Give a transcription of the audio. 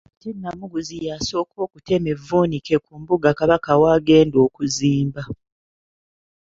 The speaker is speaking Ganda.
Ate Namuguzi y'asooka okutema evvuunike mu mbuga Kabaka wagenda okuzimba.